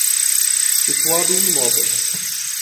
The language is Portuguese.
situado o imóvel